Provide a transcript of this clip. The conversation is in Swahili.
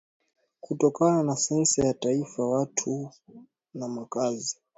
Kutokana na sensa ya taifa watu na makazi